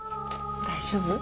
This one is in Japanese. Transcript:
大丈夫？